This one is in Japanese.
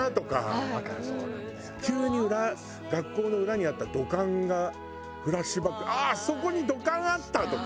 急に学校の裏にあった土管がフラッシュバック「あああそこに土管あった！」とか。